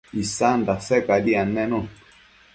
isan dase cadi annenun